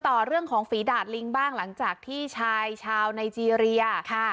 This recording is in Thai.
ต่อเรื่องของฝีดาดลิงบ้างหลังจากที่ชายชาวไนเจรียค่ะ